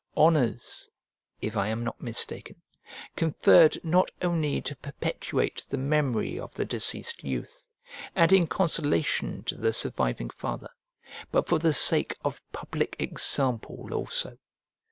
Honours, if I am not mistaken, conferred not only to perpetuate the memory of the deceased youth, and in consolation to the surviving father, but for the sake of public example also.